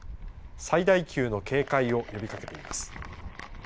最大級の警戒を呼びかけています。